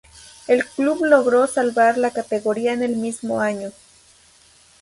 El club logró salvar la categoría en el mismo año.